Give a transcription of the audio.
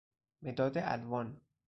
مداد الوان